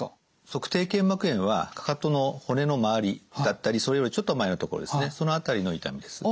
足底腱膜炎はかかとの骨の周りだったりそれよりちょっと前のところですねその辺りの痛みです。